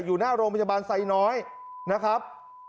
อยู่หน้าโรงพยาบาลไซน้อยนะครับ